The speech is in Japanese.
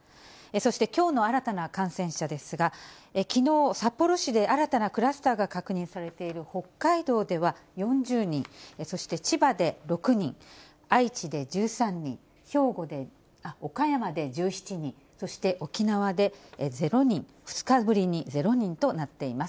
そしてきょうの新たな感染者ですが、きのう、札幌市で新たなクラスターが確認されている北海道では４０人、そして千葉で６人、愛知で１３人、岡山で１７人、そして沖縄で０人、２日ぶりに０人となっています。